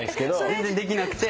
全然できなくて。